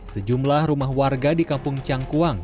sejumlah rumah warga di kampung cangkuang